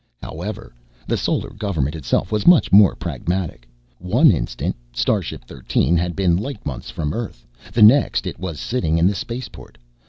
However, the Solar Government itself was much more pragmatic. One instant, starship Thirteen had been light months from Earth, the next it was sitting in the Spaceport.